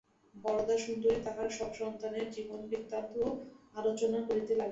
বরদাসুন্দরী তাঁহার সব সন্তানদের জীবনবৃত্তান্ত আলোচনা করিতে লাগিলেন।